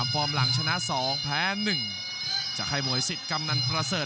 ฟอร์มหลังชนะ๒แพ้๑จากค่ายมวยสิทธิ์กำนันประเสริฐ